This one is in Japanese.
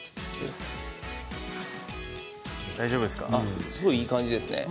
すごい、いい感じですね。